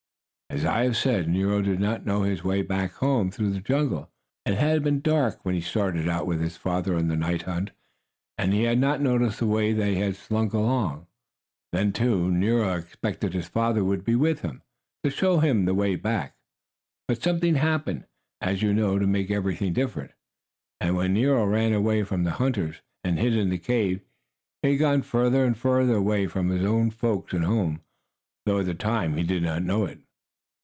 As I have said, Nero did not know his way back home through the jungle. It had been dark when he started out with his father on the night hunt, and he had not noticed the way they had slunk along. Then, too, Nero expected his father would be with him to show him the way back. But something had happened, as you know, to make everything different. And when Nero ran away from the hunters, and hid in the cave, he had gone farther and farther away from his own folks and home, though, at the time, he did not know it.